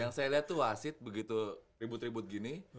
yang saya lihat tuh wasit begitu ribut ribut gini